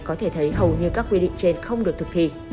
có thể thấy hầu như các quy định trên không được thực thi